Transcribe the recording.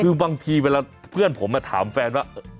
คือบางทีเวลาเพื่อนผมถามแฟนว่า